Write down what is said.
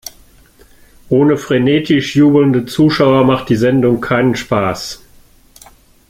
Ohne frenetisch jubelnde Zuschauer macht die Sendung keinen Spaß.